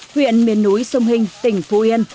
huyện miền núi sông hình tỉnh phú yên